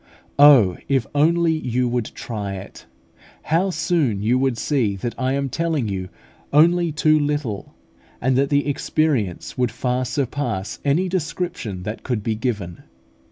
Oh, if only you would try it! How soon you would see that I am telling you only too little, and that the experience would far surpass any description that could be given!